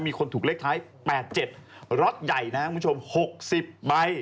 มีคนถูกเลขท้าย๘๗ร็อตใหญ่นะฮะมุมชม๖๐ใบ